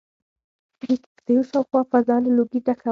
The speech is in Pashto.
د کيږديو شاوخوا فضا له لوګي ډکه وه.